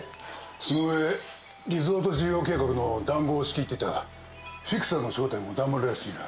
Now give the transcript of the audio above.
その上リゾート事業計画の談合を仕切ってたフィクサーの正体もだんまりらしいな。